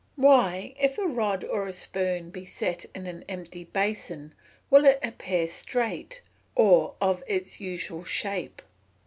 _Why, if a rod or a spoon be set in an empty basin, will it appear straight, or of its usual shape?